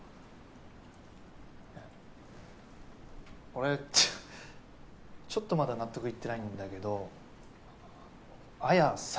俺ちょっちょっとまだ納得いってないんだけど彩さ。